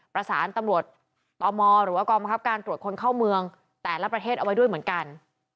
ประสานตำรวจตมหรือว่ากองบังคับการตรวจคนเข้าเมืองแต่ละประเทศเอาไว้ด้วยเหมือนกัน